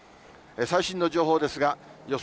最新の情報ですが、予想